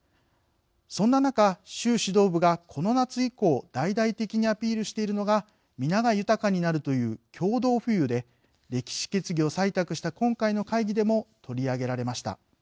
そんな中、習指導部がこの夏以降大々的にアピールしているのがみなが豊かになるという共同富裕で歴史決議を採択した今回の会議でも取り上げられました。